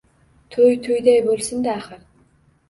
Toʻy toʻyday boʻlsinda axir!